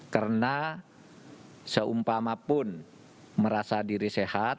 karena seumpamapun merasa diri sehat